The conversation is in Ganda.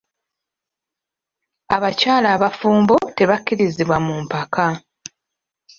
Abakyala abafumbo tebakkirizibwa mu mpaka.